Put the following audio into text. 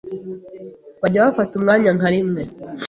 bajya bafata umwanya nka rimwe